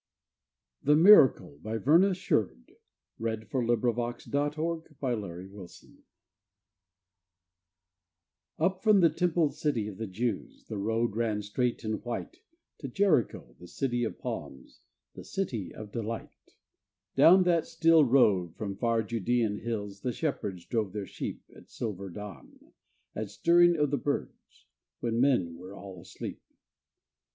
ES A PAGAN PRAYER A LOVE SONG THE MIRACLE AND OTHER POEMS THE MIRACLE Up from the templed city of the Jews, The road ran straight and white To Jericho, the City of the Palms, The City of Delight. Down that still road from far Judean hills The shepherds drove their sheep At silver dawn at stirring of the birds When men were all asleep.